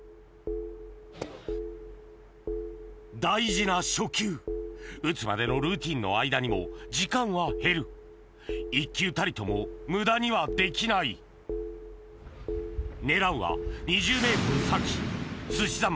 大事な初球打つまでのルーティンの間にも時間は減る１球たりとも無駄にはできない狙うは２０ｍ先すし